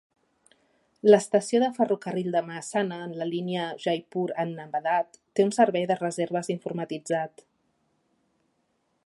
L'estació de ferrocarril de Mahesana, en la línia Jaipur-Ahmadabad, té un servei de reserves informatitzat.